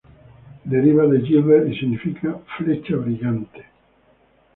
Deriva de "Gilbert" y significa "flecha brillante".